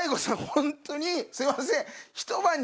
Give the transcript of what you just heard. ホントにすいません。